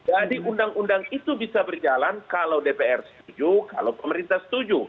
jadi undang undang itu bisa berjalan kalau dpr setuju kalau pemerintah setuju